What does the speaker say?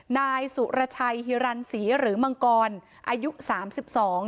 นายสุรชัยฮิรันศรีหรือมังกรอายุสามสิบสอง